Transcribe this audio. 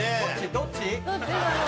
どっち？